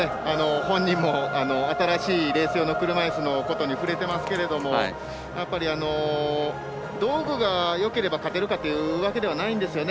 本人も新しいレース用の車いすのことに触れてますけど道具がよければ勝てるというわけではないんですよね。